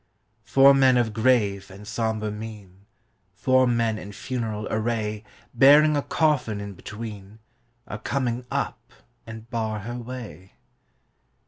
Four men of grave and sombre mien, Four men in funeral array Bearing a coffin in between, Are coming up and bar her way.